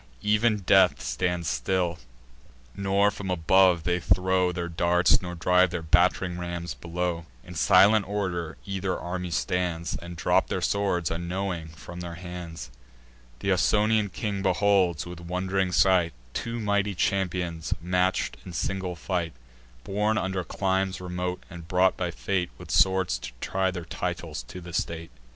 Ev'n death stands still; nor from above they throw Their darts, nor drive their batt'ring rams below. In silent order either army stands, And drop their swords, unknowing, from their hands. Th' Ausonian king beholds, with wond'ring sight, Two mighty champions match'd in single fight, Born under climes remote, and brought by fate, With swords to try their titles to the state.